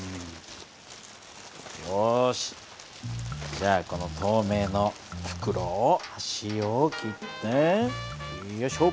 よしじゃあこの透明の袋をはしを切ってよいしょ。